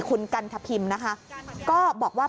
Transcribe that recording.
คุณกันทพิมนะคะก็บอกว่า